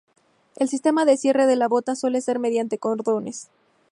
El sistema de cierre de la bota suele ser mediante cordones.